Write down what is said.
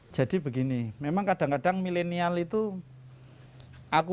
jadi begini memang kadang kadang milenial itu